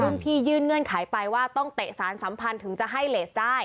รุ่นพี่ยื่นเงื่อนไขไปว่าต้องเตะสารสัมพันธ์ถึงจะให้เลสได้